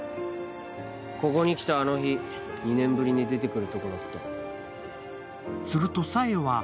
ここに来たあの日、２年ぶりに出てくるとこだった。